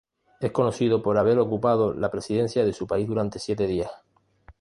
Es conocido por haber ocupado la presidencia de su país durante siete días.